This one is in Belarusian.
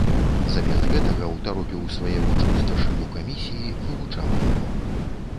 Замест гэтага ўтаропіў свае вочы ў старшыню камісіі, вывучаў яго.